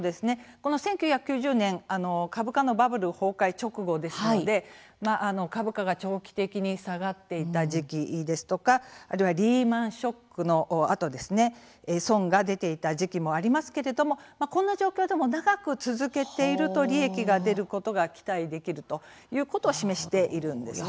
この１９９０年株価のバブル崩壊直後ですので株価が長期的に下がっていた時期ですとかあるいはリーマンショックのあとですね損が出ていた時期もありますけれどもこんな状況でも長く続けていると利益が出ることが期待できるということを示しているんですね。